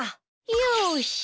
よし。